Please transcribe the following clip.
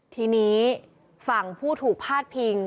ทีนี้ฝั่งผู้ถูกพาดพิง